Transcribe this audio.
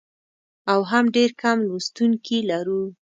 او هم ډېر کم لوستونکي لرو.